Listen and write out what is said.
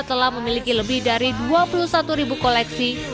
telah memiliki lebih dari dua puluh satu ribu koleksi